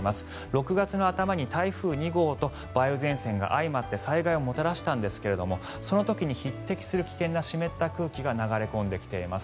６月の頭に台風２号と梅雨前線が相まって災害をもたらしたんですがその時に匹敵する湿った空気が流れ込んできています。